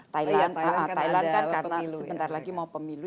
thailand thailand kan karena sebentar lagi mau pemilu